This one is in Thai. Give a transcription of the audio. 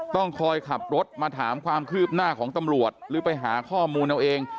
ต้องคอยขับรถมาถามความคืบหน้าของตำรวจหรือไปหาข้อมูลเอาเอง